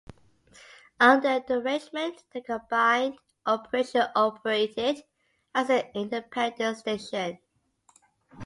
Under the arrangement, the combined operation operated as an independent station.